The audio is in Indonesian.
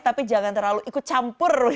tapi jangan terlalu ikut campur gitu ya mbak